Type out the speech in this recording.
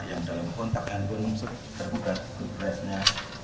yang dalam kontak handphone tergugat good friendnya